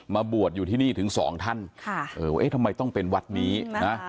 บวชอยู่ที่นี่ถึงสองท่านค่ะเออเอ๊ะทำไมต้องเป็นวัดนี้นะ